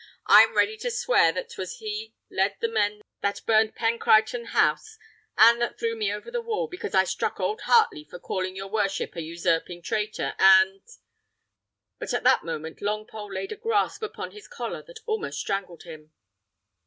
"I'm ready to swear that 'twas he led the men that burned Pencriton House, and that threw me over the wall, because I struck old Heartley for calling your worship a usurping traitor and " But at that moment Longpole laid a grasp upon his collar that almost strangled him.